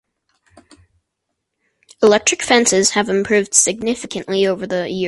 Electric fences have improved significantly over the years.